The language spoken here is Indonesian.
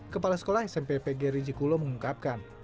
kepala sekolah smpp gri jekulo mengungkapkan